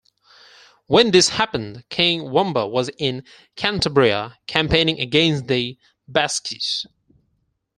When this happened, King Wamba was in Cantabria campaigning against the Basques.